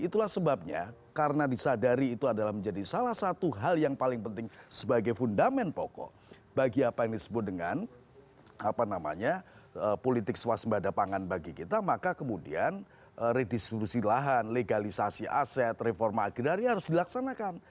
itulah sebabnya karena disadari itu adalah menjadi salah satu hal yang paling penting sebagai fundament pokok bagi apa yang disebut dengan politik swasembada pangan bagi kita maka kemudian redistribusi lahan legalisasi aset reforma agrari harus dilaksanakan